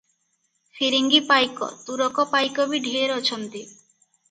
ଫିରିଙ୍ଗୀ ପାଇକ, ତୁରକ ପାଇକ ବି ଢେର ଅଛନ୍ତି ।